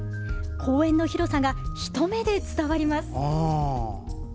公園の広さが、一目で伝わります。